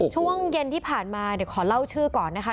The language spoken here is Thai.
ช่วงเย็นที่ผ่านมาเดี๋ยวขอเล่าชื่อก่อนนะคะ